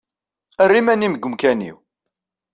Err iman-nnem deg umkan-inu.